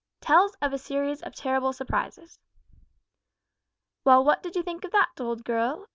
TELLS OF A SERIES OF TERRIBLE SURPRISES. "Well, what did you think of that, old girl?"